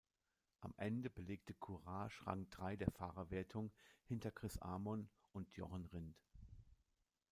Am Ende belegte Courage Rang drei der Fahrerwertung hinter Chris Amon und Jochen Rindt.